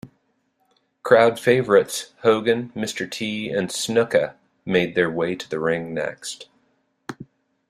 Crowd favorites Hogan, Mr. T, and Snuka made their way to the ring next.